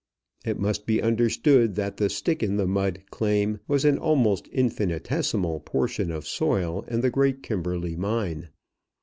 It must be understood that the Stick in the Mud claim was an almost infinitesimal portion of soil in the Great Kimberley mine.